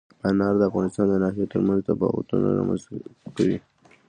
انار د افغانستان د ناحیو ترمنځ تفاوتونه رامنځ ته کوي.